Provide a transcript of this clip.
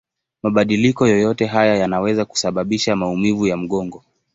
Mabadiliko yoyote haya yanaweza kusababisha maumivu ya mgongo.